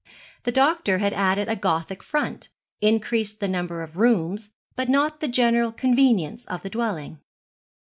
The doctor had added a Gothic front, increased the number of rooms, but not the general convenience of the dwelling.